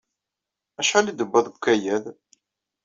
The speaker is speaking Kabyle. Acḥal i d-tewwiḍ deg ukayad?